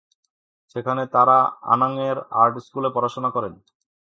সেখানে তারা আনাংয়ের আর্ট স্কুলে পড়াশুনা করেন।